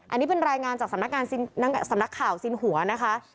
อันนี้เป็นรายงานจากสำนักงานสำนักข่าวสินหัวนะคะ